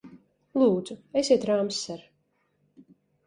Lūdzu, esiet rāms, ser!